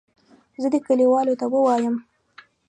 زه دې کلیوالو ته ووایم.